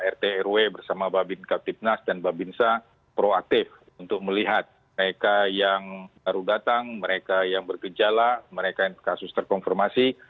rt rw bersama babin kaptipnas dan babinsa proaktif untuk melihat mereka yang baru datang mereka yang bergejala mereka yang kasus terkonfirmasi